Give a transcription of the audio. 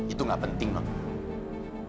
itu gak penting nona